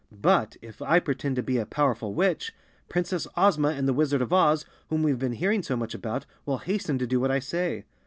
But if I pretend to be a powerful witch, Princess Ozma and the Wizard of Oz, whom we've been hearing so much about, will hasten to do what I say."